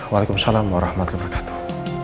waalaikumsalam warahmatullahi wabarakatuh